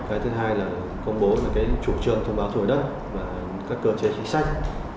cái thứ hai là công bố về chủ trường thông báo thổi đất và các cơ chế chính sách